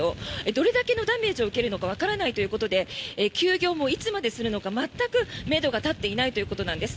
どれだけのダメージを受けるのかわからないということで休業もいつまでするのか全くめどが立っていないということなんです。